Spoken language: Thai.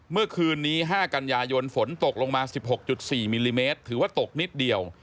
เมื่อคืนนี้๕กันยายนฝนตกลงมา๑๖๔มิลลิเมตรถือว่าตกนิดเดียว